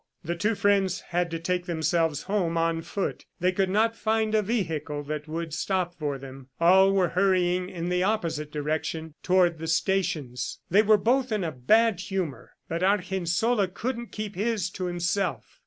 The two friends had to take themselves home on foot. They could not find a vehicle that would stop for them; all were hurrying in the opposite direction toward the stations. They were both in a bad humor, but Argensola couldn't keep his to himself.